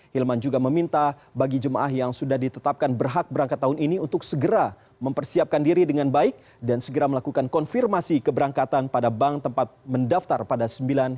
hilman juga meminta bagi jemaah yang sudah ditetapkan berhak berangkat tahun ini untuk segera mempersiapkan diri dengan baik dan segera melakukan konfirmasi keberangkatan pada bank tempatan